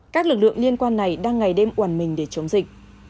các lực lượng liên quan này đang ngày đêm oàn mình để chống dịch